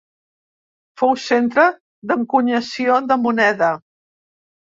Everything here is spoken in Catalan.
Fou centre d'encunyació de moneda.